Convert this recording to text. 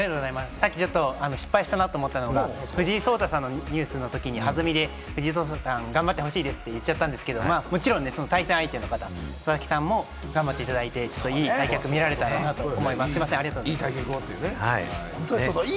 さっきちょっと失敗したなと思ったのが、藤井聡太さんのニュースのときに藤井聡太さん頑張ってほしいと言ってしまったんですけれど、対戦相手の佐々木さんも頑張っていただいて、いい対局を見せてもらいたいと思います。